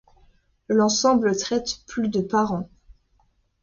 L'ensemble traite plus de par an.